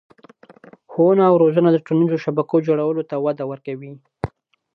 ښوونه او روزنه د ټولنیزو شبکو جوړولو ته وده ورکوي.